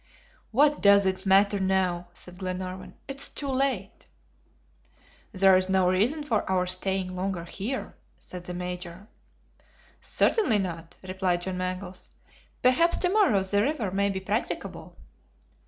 "What does it matter now?" said Glenarvan. "It is too late!" "That is no reason for our staying longer here," said the Major. "Certainly not," replied John Mangles. "Perhaps tomorrow the river may be practicable."